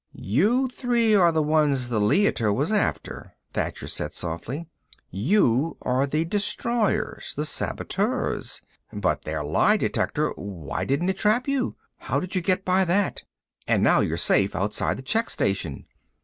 "You three are the ones the Leiter was after," Thacher said softly. "You are the destroyers, the saboteurs. But their lie detector Why didn't it trap you? How did you get by that? And now you're safe, outside the check station."